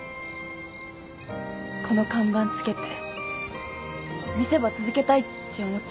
この看板つけて店ば続けたいっち思っちゃった。